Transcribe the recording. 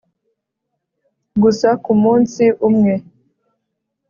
gusa kumunsi umwe